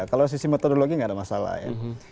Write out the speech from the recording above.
kalau sisi metodologi nggak ada masalah ya